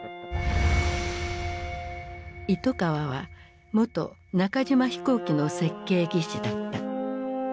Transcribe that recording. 糸川は元中島飛行機の設計技師だった。